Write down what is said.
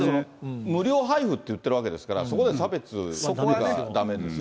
無料配布って言ってるわけですから、そこで差別はだめですよ